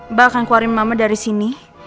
mbak akan keluarin mama dari sini